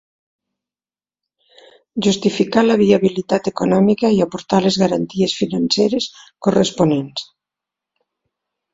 Justificar la viabilitat econòmica i aportar les garanties financeres corresponents.